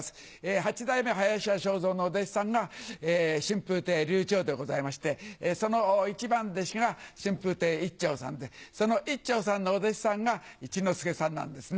八代目林家正蔵のお弟子さんが、春風亭柳朝でございまして、その一番弟子が春風亭一朝さんで、その一朝さんのお弟子さんが一之輔さんなんですね。